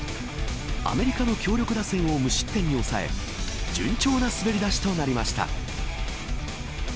アメリカの強力打線を無失点に抑え順調な滑り出しとなりました。